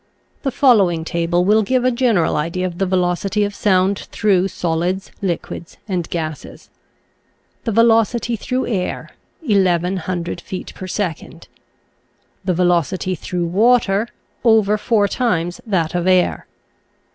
The following table will give a general idea of the velocity of sound through solids, liquids, and gases: The velocity through air, 1,100 feet per second The velocity through water, over four times that of air.